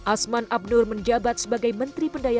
asman abnur menjabat sebagai menteri pendaya